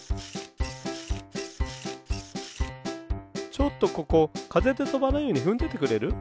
ちょっとここかぜでとばないようにふんどいてくれる？